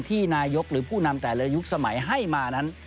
ที่นายกหรือผู้นำแต่ละยุคสมัยให้มานั้น